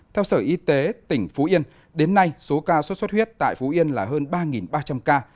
theo sở y tế tỉnh phú yên đến nay số ca xuất xuất huyết tại phú yên là hơn ba ba trăm linh ca